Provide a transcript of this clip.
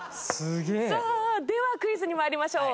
さあではクイズに参りましょう。